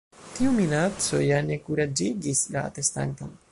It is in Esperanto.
Tiu minaco ja ne kuraĝigis la atestanton.